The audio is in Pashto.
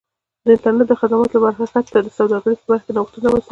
د انټرنیټ د خدماتو له برکت د سوداګرۍ په برخه کې نوښتونه رامنځته کیږي.